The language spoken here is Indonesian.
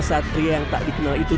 saat pria yang tak dikenal itu